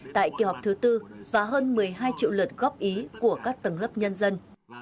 tại kỳ họp thứ tư và hơn một mươi hai triệu lượt góp ý của các tầng lớp nhân dân